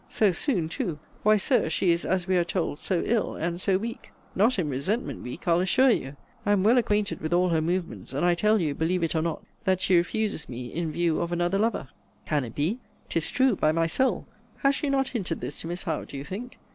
So soon too Why, Sir, she is, as we are told, so ill, and so weak Not in resentment weak, I'll assure you. I am well acquainted with all her movements and I tell you, believe it, or not, that she refuses me in view of another lover. Can it be? 'Tis true, by my soul! Has she not hinted this to Miss Howe, do you think?